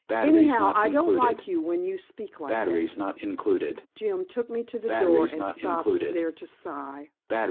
Anyhow, I don't like you when you speak like that." Jim took me to the door and stopped there to sigh.